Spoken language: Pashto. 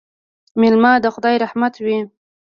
مېلمه د خدای رحمت وي